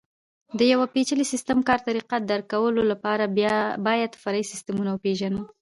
د یوه پېچلي سیسټم کار طریقه درک کولو لپاره باید فرعي سیسټمونه وپېژنو.